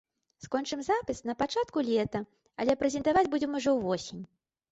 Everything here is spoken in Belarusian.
Скончым запіс на пачатку лета, але прэзентаваць будзем ужо ў восень.